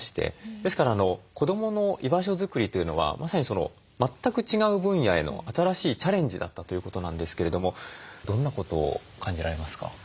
ですから子どもの居場所作りというのはまさに全く違う分野への新しいチャレンジだったということなんですけれどもどんなことを感じられますか？